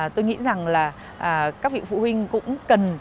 tôi nghĩ rằng là các vị phụ huynh cũng cần các bậc phụ huynh